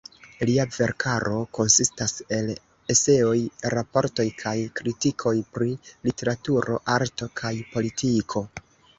Lia verkaro konsistas el eseoj, raportoj kaj kritikoj pri literaturo, arto kaj politiko.